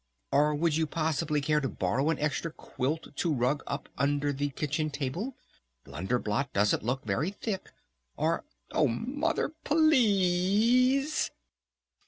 Or would you possibly care to borrow an extra quilt to rug up under the kitchen table?... Blunder Blot doesn't look very thick. Or Oh Mother, _p l e a s e!